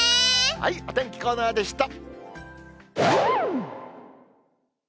お天気コーナーでした。